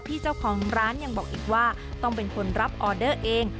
เจ้าของร้านยังบอกอีกว่าต้องเป็นคนรับออเดอร์เอง